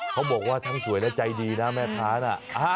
เขาบอกว่าทั้งสวยและใจดีนะแม่ค้าน่ะ